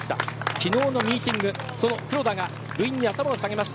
昨日のミーティングその黒田が部員に頭を下げました。